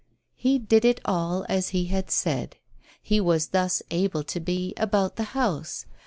He did it all as he had said. He was thus able to be "about the house."